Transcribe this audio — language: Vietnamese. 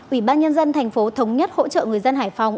ủy ban nhân dân tp hcm thống nhất hỗ trợ người dân hải phòng